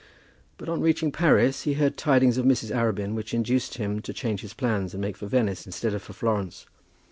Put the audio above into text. But on reaching Paris he heard tidings of Mrs. Arabin which induced him to change his plans and make for Venice instead of for Florence.